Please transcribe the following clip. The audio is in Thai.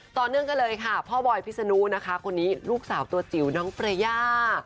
ต่อเนื่องกันเลยค่ะพ่อบอยพิษนุนะคะคนนี้ลูกสาวตัวจิ๋วน้องประย่า